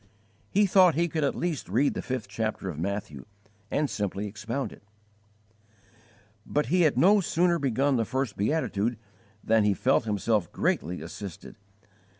_ He thought he could at least read the fifth chapter of Matthew, and simply expound it. But he had no sooner begun the first beatitude than he felt himself greatly assisted.